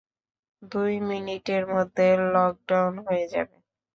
দুই মিনিটের মধ্যে লকডাউন হয়ে যাবে।